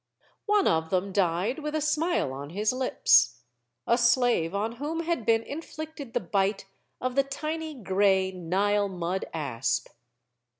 One of them died with a smile on his lips a slave on whom had been inflicted the bite of the tiny gray Nile mud asp.